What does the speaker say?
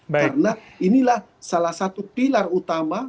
karena inilah salah satu pilar utama